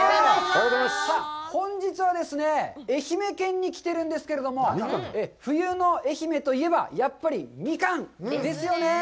さあ、本日は愛媛県に来ているんですけれども、冬の愛媛といえばやっぱりミカンですよね！